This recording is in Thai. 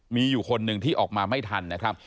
มีอยู่คนหนึ่งที่ออกมาไม่ทันนะครับ